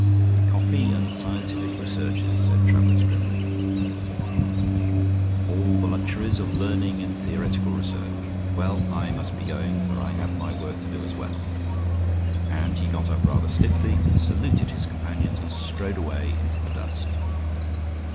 "Coffee and scientific researches," said Travers, grimly. "All the luxuries of learning and theoretical research. Well, I must be going, for I have my work to do as well." And he got up rather stiffly, saluted his companions, and strode away into the dusk.